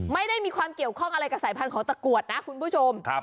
ไม่ได้มีความเกี่ยวข้องอะไรกับสายพันธุ์ตะกรวดนะคุณผู้ชม